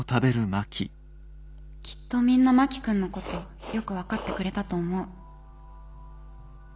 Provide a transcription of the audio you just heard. きっとみんな真木君のことよく分かってくれたと思う。